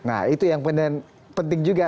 nah itu yang penting juga